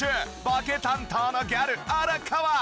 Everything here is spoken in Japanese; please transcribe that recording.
ボケ担当のギャル荒川。